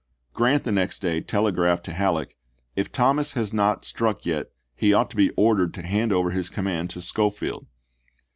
Grant the next day telegraphed to Halleck, "If Thomas has not struck yet he ought to be ordered to hand over his command to ibid. Schofield."